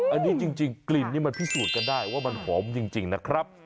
อันนี้จริงกลิ่นนี่มันพิสูจน์กันได้ว่ามันหอมจริงนะครับ